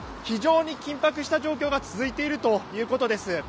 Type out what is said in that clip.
非常に緊迫した状況が続いているということです。